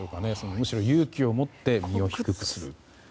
むしろ、勇気を持って身を低くする。